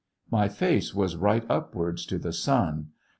My face was right upwards to the sun.